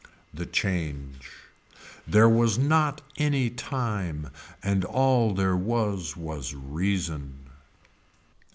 The change. There was not any time and all there was was reason.